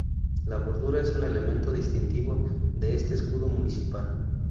La bordura es un elemento distintivo de este escudo municipal.